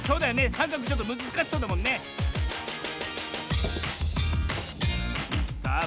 さんかくちょっとむずかしそうだもんねさあ